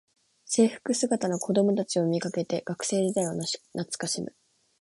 制服姿の子どもたちを見かけて学生時代を懐かしむ